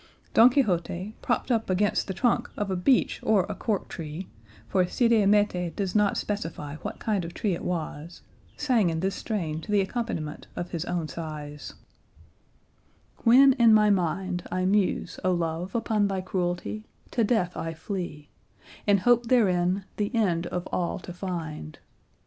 Don Quixote, propped up against the trunk of a beech or a cork tree for Cide Hamete does not specify what kind of tree it was sang in this strain to the accompaniment of his own sighs: When in my mind I muse, O Love, upon thy cruelty, To death I flee, In hope therein the end of all to find.